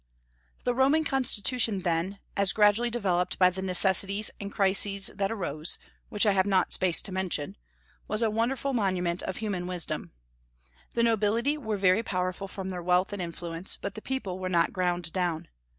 The Roman constitution then, as gradually developed by the necessities and crises that arose, which I have not space to mention, was a wonderful monument of human wisdom. The nobility were very powerful from their wealth and influence, but the people were not ground down.